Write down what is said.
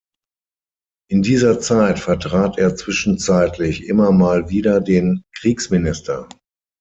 In dieser Zeit vertrat er zwischenzeitlich immer mal wieder den Kriegsminister.